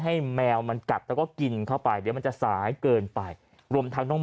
แมวมันกัดแล้วก็กินเข้าไปเดี๋ยวมันจะสายเกินไปรวมทั้งน้อง